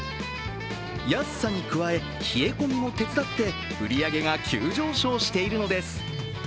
安さに加え、冷え込みも手伝って、売り上げが急上昇しているのです。